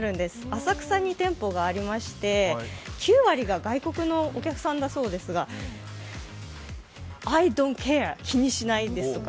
浅草に店舗がありまして、９割が外国のお客さんだそうですが、アイ・ドント・ケア、気にしないですとか。